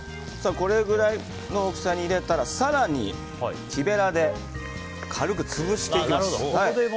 これぐらいの大きさで入れたら更に木べらで軽く潰していきます。